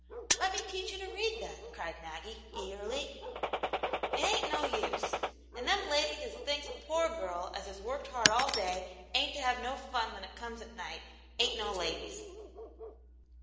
" Let me teach you to read, then !" cried Maggie, eagerly. " It ain't no use. And them ladies as thinks a poor girl as has worked hard all day ain't to have no fun when it comes at night ain't no ladies."